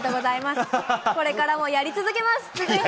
これからもやり続けます。